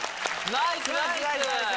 ナイスナイス！